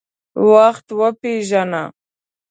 وخت وپیژنه.